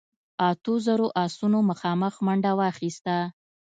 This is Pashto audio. اتو زرو آسونو مخامخ منډه واخيسته.